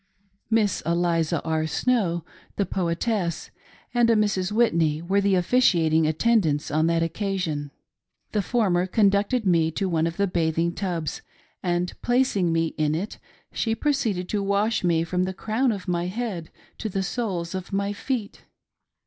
Miss Eliza R. Snow, the poetess, and a Mrs. Whitney, were the officiating attendants on that occasion. The former con ducted me to one of the bathing tubs, and placing me in it, she proceeded to Wash me trom the crown of my head to the soles of my feet.